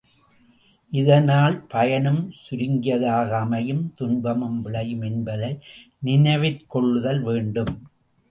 இதனால் பயனும் சுருங்கியதாக அமையும் துன்பமும் விளையும் என்பதை நினைவிற்கொள்ளுதல் வேண்டும்.